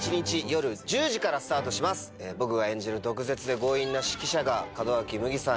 僕が演じる毒舌で強引な指揮者が門脇麦さん